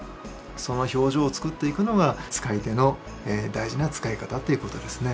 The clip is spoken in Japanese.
その表情を作っていくのが使い手の大事な使い方っていう事ですね。